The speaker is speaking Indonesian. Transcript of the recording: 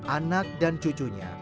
anak dan cucunya